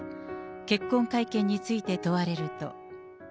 結婚会見について問われると。